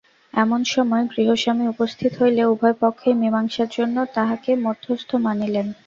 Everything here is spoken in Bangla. এমন সময় গৃহস্বামী উপস্থিত হইলে উভয় পক্ষই মীমাংসার জন্য তাঁহাকে মধ্যস্থ মানিলেন।